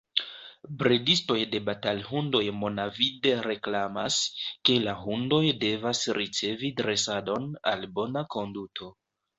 Bredistoj de batalhundoj monavide reklamas, ke la hundoj devas ricevi dresadon al bona konduto.